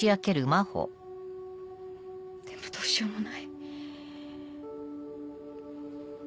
でもどうしようもない。